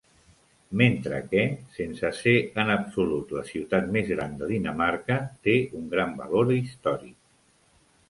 Mentre que, sense ser en absolut la ciutat més gran de Dinamarca, té un gran valor històric.